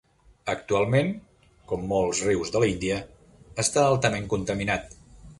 Actualment, com molts rius de l'Índia, està altament contaminat.